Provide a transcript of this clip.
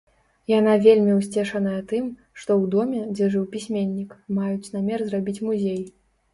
Яна вельмі ўсцешаная тым, што ў доме, дзе жыў пісьменнік, маюць намер зрабіць музей.